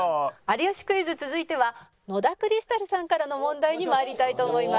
『有吉クイズ』続いては野田クリスタルさんからの問題に参りたいと思います。